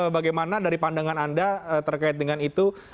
bagaimana dari pandangan anda terkait dengan itu